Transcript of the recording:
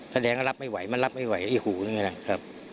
แสดงว่ารับไม่ไหวมันรับไม่ไหวไอ้หูนี่แหละครับ